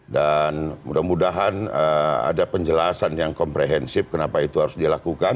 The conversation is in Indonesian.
dan mudah mudahan ada penjelasan yang komprehensif kenapa itu harus dilakukan